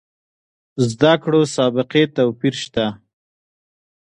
زده کړو سابقې توپیر شته.